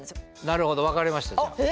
なるほど分かりました。